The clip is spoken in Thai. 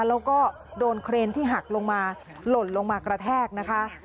แล้วก็โดนเครนที่หักลงมาหล่นลงมากระแทกนะคะ